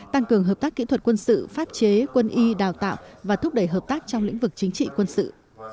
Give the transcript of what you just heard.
tăng cường hợp tác kỹ thuật quân sự pháp chế quân y đào tạo và thúc đẩy hợp tác trong lĩnh vực chính trị quân sự